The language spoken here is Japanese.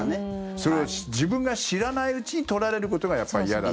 それを自分が知らないうちに取られることがやっぱり嫌だ。